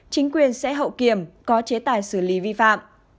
chính quyền sẽ hậu kiểm có chế tài xử lý vi phạm